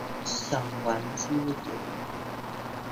想玩桌遊！